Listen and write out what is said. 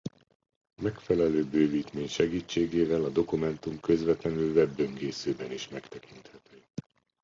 Megfelelő bővítmény segítségével a dokumentum közvetlenül webböngészőben is megtekinthető.